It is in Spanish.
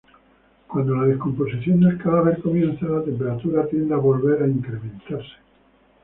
Cuando la descomposición del cadáver comienza, la temperatura tiende a volver a incrementarse.